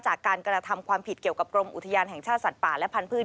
จากการกระทำความผิดเกี่ยวกับกรมอุทยานแห่งชาติสัตว์ป่าและพันธุ์